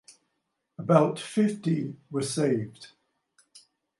About fifty were saved.